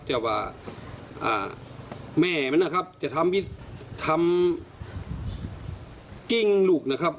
แต่ว่าแม่มันนะครับจะทำกิ้งลูกนะครับ